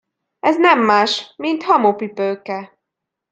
Ez nem más, mint hamupipőke.